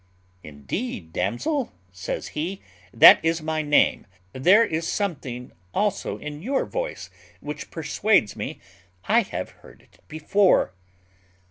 "Indeed, damsel," says he, "that is my name; there is something also in your voice which persuades me I have heard it before."